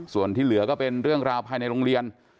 ส่วนที่เหลือก็เป็นเรื่องราวภายในโรงเรียน